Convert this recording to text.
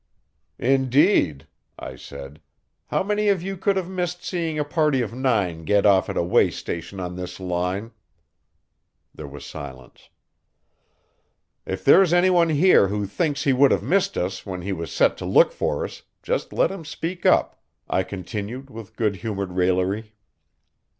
"Indeed?" I said. "How many of you could have missed seeing a party of nine get off at a way station on this line?" There was silence. "If there's any one here who thinks he would have missed us when he was set to look for us, just let him speak up," I continued with good humored raillery.